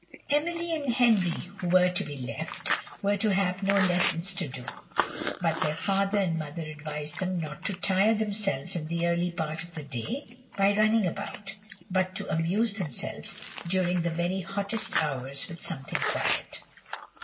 Emily and Henry, who were to be left, were to have no lessons to do, but their father and mother advised them not to tire themselves in the early part of the day by running about, but to amuse themselves during the very hottest hours with something quiet.